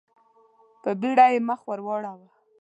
په بېړه يې مخ ور واړاوه.